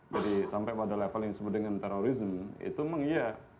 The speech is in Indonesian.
jadi sampai pada level yang disebut dengan terorisme itu memang iya